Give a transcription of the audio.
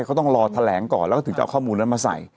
เขาต้องรอแถลงก่อนแล้วก็ถึงจะเอาข้อมูลนั้นมาใส่